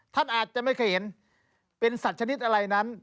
ท่านอาจจะไม่เคยเห็นเป็นสัตว์ชนิดอะไรนั้น